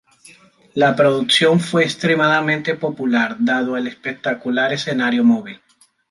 La producción fue extremadamente popular, dado el espectacular escenario móvil.